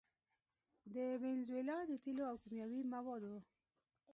د وينزويلا د تېلو او کيمياوي موادو